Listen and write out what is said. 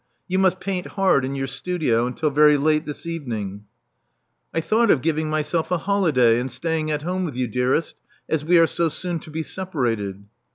You must paint hard in your studio until very late this evening." I thought of giving myself a holiday, and staying at home with you, dearest, as we are so soon to be separated."